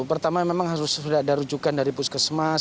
pertama memang harus sudah ada rujukan dari puskesmas